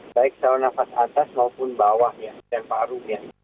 baik saluran nafas atas maupun bawah dan paru